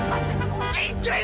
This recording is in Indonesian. mas seperti nasab